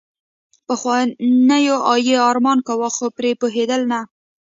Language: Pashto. پخوانیو يې ارمان کاوه خو پرې پوهېدل نه.